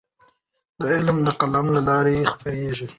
علم د قلم له لارې خپرېږي.